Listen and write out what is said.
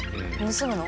盗むの？